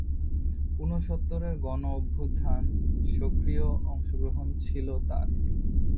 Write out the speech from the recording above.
ঊনসত্তরের গণঅভ্যুত্থান সক্রিয় অংশগ্রহণ ছিল তার।